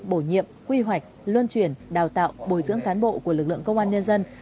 bổ nhiệm quy hoạch luân chuyển đào tạo bồi dưỡng cán bộ của lực lượng công an nhân dân